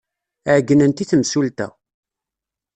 Ɛeyynent i temsulta.